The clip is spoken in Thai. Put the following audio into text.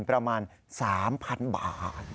ประมาณ๓๐๐๐บาท